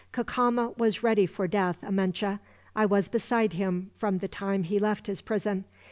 "Cacama was ready for death, Amenche. I was beside him, from the time he left his prison.